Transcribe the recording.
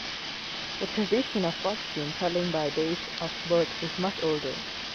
The tradition of fortune telling by days of birth is much older.